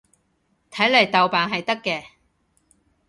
睇嚟豆瓣係得嘅